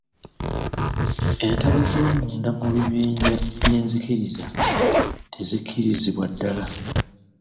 Entalo z'omunda mu bibinja by'enzikiriza tezikkirizibwa ddaala.